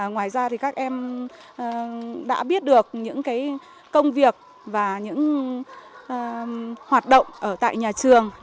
ngoài ra các em đã biết được những công việc và những hoạt động ở nhà trường